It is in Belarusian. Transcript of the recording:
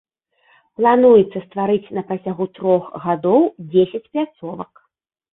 Плануецца стварыць на працягу трох гадоў дзесяць пляцовак.